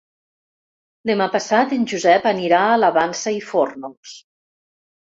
Demà passat en Josep anirà a la Vansa i Fórnols.